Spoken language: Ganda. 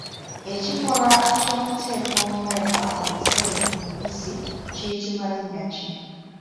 Ekikolwa ky’okuteeka omuwemba omuse ku mubisi kiyitibwa linnya ki?